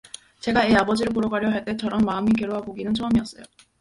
제가 애 아버지를 보러가려 할 때처럼 마음이 괴로와 보기는 처음이었어요.